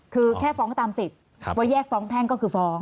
คือแค่ฟ้องตามสิทธิ์ว่าแยกฟ้องแพ่งก็คือฟ้อง